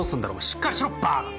しっかりしろバカ！